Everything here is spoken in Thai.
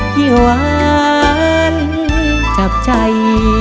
ยิ่งหวานจากใจ